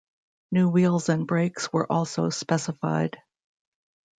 New wheels and brakes were also specified.